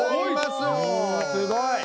すごい！